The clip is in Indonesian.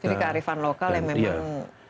jadi kearifan lokal yang memang